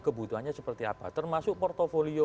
kebutuhannya seperti apa termasuk portfolio